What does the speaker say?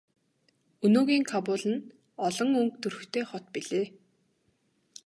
Өнөөгийн Кабул нь олон өнгө төрхтэй хот билээ.